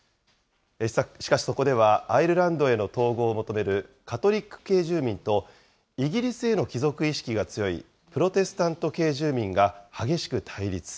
しかしそこでは、アイルランドの統合を求めるカトリック系住民と、イギリスへの帰属意識が強いプロテスタント系住民が激しく対立。